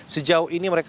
sejauh ini mereka